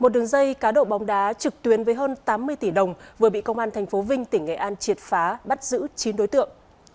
một đường dây cá độ bóng đá trực tuyến với hơn tám mươi tỷ đồng vừa bị công an tp vinh tỉnh nghệ an triệt phá bắt giữ chín đối tượng